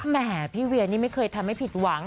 แม่พี่เวียนี่ไม่เคยทำให้ผิดหวัง